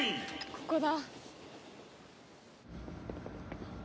ここだ。